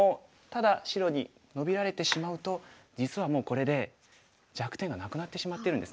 ただ白にノビられてしまうと実はもうこれで弱点がなくなってしまってるんですね。